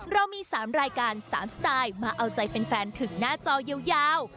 เรามี๓รายการ๓สไตล์มาเอาใจแฟนถึงหน้าจอยาว